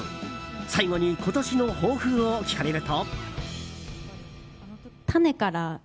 最後に今年の抱負を聞かれると。